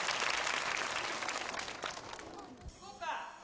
いこうか！